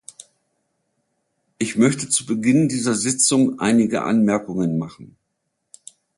Ich möchte zu Beginn dieser Sitzung einige Anmerkungen machen.